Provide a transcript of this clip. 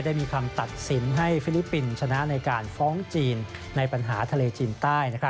ได้มีคำตัดสินให้ฟิลิปปินส์ชนะในการฟ้องจีนในปัญหาทะเลจีนใต้